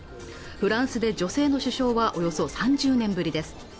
フランスで女性の首相はおよそ３０年ぶりです